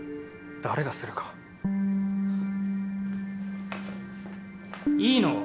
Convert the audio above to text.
誰がするかいいの？